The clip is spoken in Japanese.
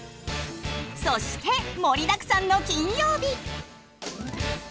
そして盛りだくさんの金曜日。